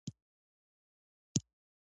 خولۍ د خوشحال خان خټک هم اغوسته.